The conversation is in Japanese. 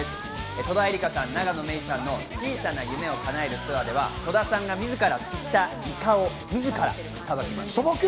戸田恵梨香さん、永野芽郁さんの小さな夢をかなえるツアーでは戸田さんが自ら釣ったイカをみずからさばきます。